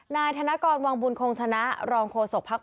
และความสุขของคุณค่ะ